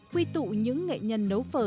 quy tụ những nghệ nhân nấu phở